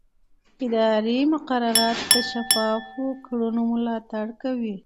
اداري مقررات د شفافو کړنو ملاتړ کوي.